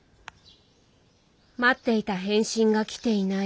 待っていた返信が来ていない